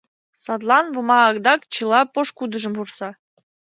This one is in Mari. Садлан Вома адак чыла пошкудыжым вурса: